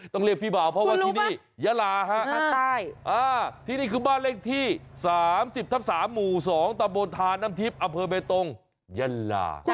เรียกพี่บ่าวเพราะว่าที่นี่ยาลาฮะที่นี่คือบ้านเลขที่๓๐ทับ๓หมู่๒ตะบนทานน้ำทิพย์อำเภอเบตงยาลา